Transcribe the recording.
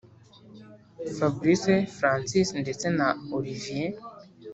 fabric, francis ndetse na olivier